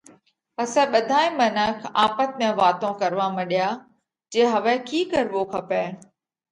پسئہ ٻڌائي منک آپت ۾ واتون ڪروا مڏيا جي هوَئہ ڪِي ڪروو کپئہ۔